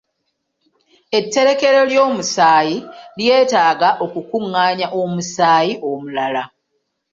Etterekero ly'omusaayi lyeetaaga okukungaanya omusaayi omulala.